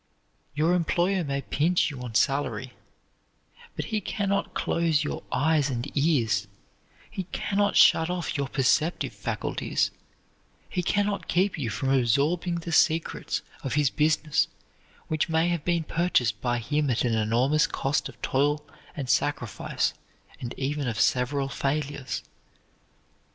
Your employer may pinch you on salary, but he can not close your eyes and ears; he can not shut off your perceptive faculties; he can not keep you from absorbing the secrets of his business which may have been purchased by him at an enormous cost of toil and sacrifice and even of several failures.